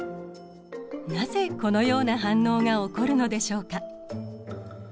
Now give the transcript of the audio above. なぜこのような反応が起こるのでしょうか？